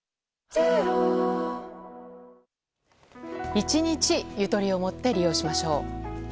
１日ゆとりを持って利用しましょう。